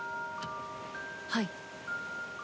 はい。